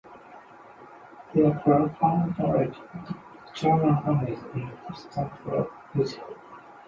Their profound knowledge of the German language and customs proved useful.